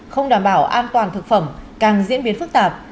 không đảm bảo an toàn thực phẩm càng diễn biến phức tạp